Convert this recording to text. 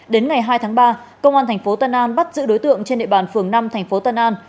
đến ngày hai tháng ba công an thành phố tân an bắt giữ đối tượng trên địa bàn phường năm thành phố tân an